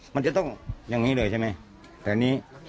มันจะต้องอย่างนี้เลยใช่ไหมแต่อันนี้